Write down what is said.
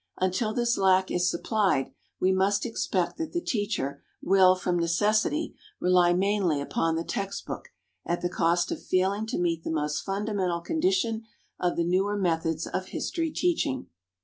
Until this lack is supplied, we must expect that the teacher will from necessity rely mainly upon the textbook, at the cost of failing to meet the most fundamental condition of the newer methods of history teaching.